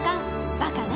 バカね。